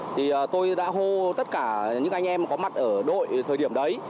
thì tôi đã hô tất cả những anh em có mặt ở đội thời điểm đấy